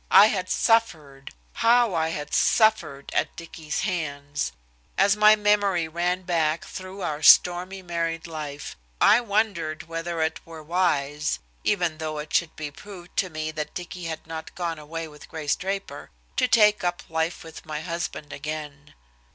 I had suffered, how I had suffered at Dicky's hands! As my memory ran back through our stormy married life, I wondered whether it were wise even though it should be proved to me that Dicky had not gone away with Grace Draper to take up life with my husband again.